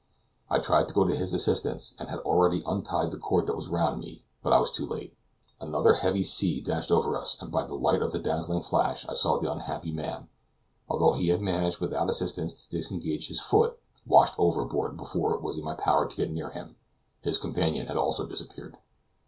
I tried to go to his assistance, and had already untied the cord that was around me; but I was too late. Another heavy sea dashed over us, and by the light of a dazzling flash I saw the unhappy man, although he had managed without assistance to disengage his foot, washed overboard before it was in my power to get near him. His companion had also disappeared.